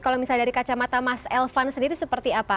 kalau misalnya dari kacamata mas elvan sendiri seperti apa